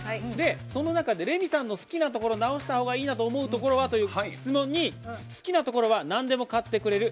その中でレミさんの好きなところ直したほうがいいと思うところは？という質問に好きなところはなんでも買ってくれる。